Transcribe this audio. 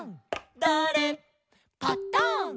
「だれ？パタン」